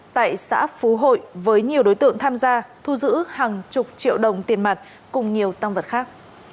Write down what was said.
tại xã phú hội với nhiều đối tượng tham gia thu giữ hàng chục triệu đồng tiền mặt cùng nhiều tăng vật khác